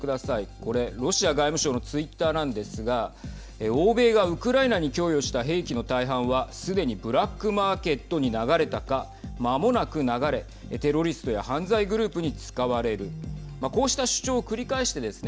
これロシア外務省のツイッターなんですが欧米がウクライナに供与した兵器の大半はすでにブラックマーケットに流れたかまもなく流れ、テロリストや犯罪グループに使われるこうした主張を繰り返してですね